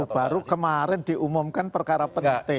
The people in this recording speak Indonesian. baru kemarin diumumkan perkara penting